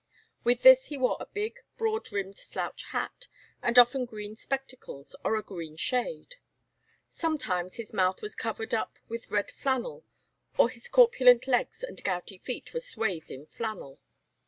With this he wore a big, broad brimmed slouch hat, and often green spectacles or a green shade. Sometimes his mouth was covered up with red flannel, or his corpulent legs and gouty feet were swathed in flannel.